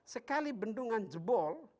sekali bendungan jebol